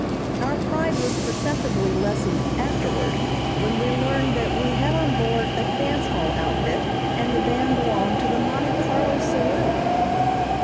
Our pride was perceptibly lessened afterward, when we learned that we had on board a dance hall outfit, and the band belonged to the Monte Carlo saloon!